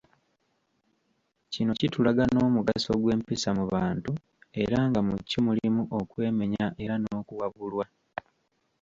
Kino kitulaga n'omugaso gw'empisa mu bantu era nga mu kyo mulimu okwemenya era n'okuwabulwa.